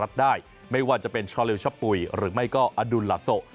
ได้ไม่ว่าจะเป็นชอเลวชะปุ๋ยหรือไม่ก็อดุลลาโซ